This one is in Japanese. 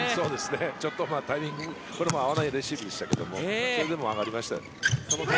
ちょっとタイミング合わないレシーブでしたがそれでも上がりましたね。